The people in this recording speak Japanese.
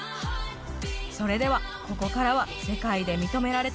それではここからは世界で認められた